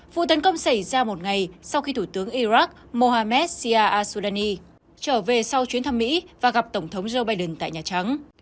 vụ tấn công xảy ra một ngày sau khi thủ tướng iraq mohammed sia a sudani trở về sau chuyến thăm mỹ và gặp tổng thống joe biden tại nhà trắng